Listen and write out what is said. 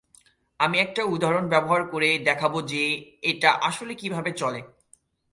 আমি একটা উদাহরণ ব্যবহার করে দেখাব যে, এটা আসলে কীভাবে চলে।